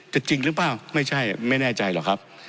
จริงหรือเปล่าไม่ใช่ไม่แน่ใจหรอกครับ